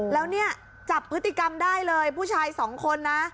แล้วเนี่ยจับพฤติกรรมได้เลยผู้ชายสองคนนะ